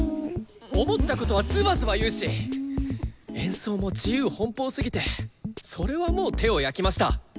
思ったことはズバズバ言うし演奏も自由奔放すぎてそれはもう手を焼きました。